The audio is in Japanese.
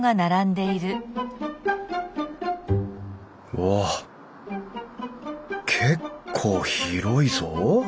うわ結構広いぞ。